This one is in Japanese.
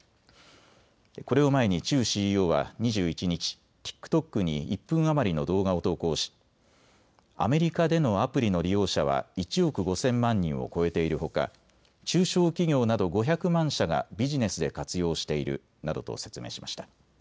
これを前にチュウＣＥＯは２１日、ＴｉｋＴｏｋに１分余りの動画を投稿しアメリカでのアプリの利用者は１億５０００万人を超えているほか中小企業など５００万社がビジネスで活用しているなどと説明しました。